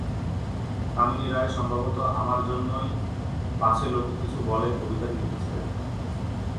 কামিনী রায় সম্ভবত আমার জন্যই পাছে লোকে কিছু বলে কবিতাটি লিখেছিলেন।